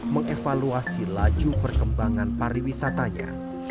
mengevaluasi laju perkembangan pariwisatanya